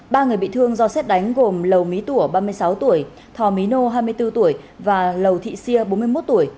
ba người bị thương do xét đánh gồm lầu mỹ tủa ba mươi sáu tuổi thò mỹ nô hai mươi bốn tuổi và lầu thị xia bốn mươi một tuổi